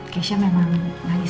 keisha gak bisa ngurusin keisha gak sih